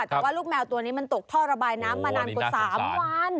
แต่ว่าลูกแมวตัวนี้มันตกท่อระบายน้ำมานานกว่า๓วัน